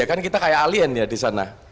ya kan kita kayak alien ya di sana